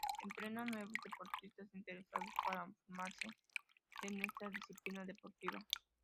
Entrena a nuevos deportistas interesados para formarse en esta disciplina deportiva.